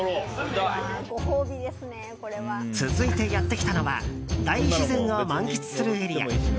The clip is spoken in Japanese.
続いてやってきたのは大自然を満喫するエリア。